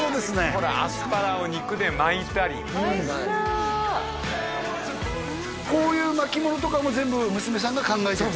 ほらアスパラを肉で巻いたりこういう巻物とかも全部娘さんが考えてる？